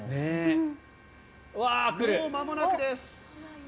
もうまもなくです。